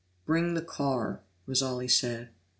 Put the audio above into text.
"Bring the car," was all he said.